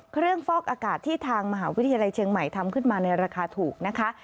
ฟอกอากาศที่ทางมหาวิทยาลัยเชียงใหม่ทำขึ้นมาในราคาถูกนะคะ